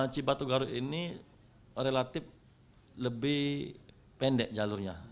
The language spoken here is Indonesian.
cibatu garut ini relatif lebih pendek jalurnya